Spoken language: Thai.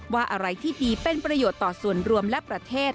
ว่าอะไรที่ดีเป็นประโยชน์ต่อส่วนรวมและประเทศ